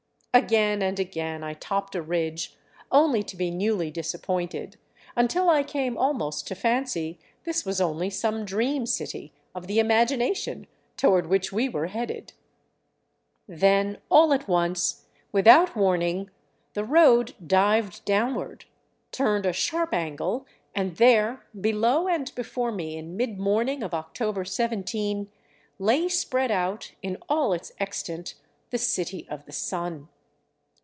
Again and again I topped a ridge, only to be newly disappointed, until I came almost to fancy this was only some dream city of the imagination toward which we were headed. Then all at once, without warning, the road dived downward, turned a sharp angle, and there, below and before me, in mid morning of October 17, lay spread out in all its extent the City of the Sun.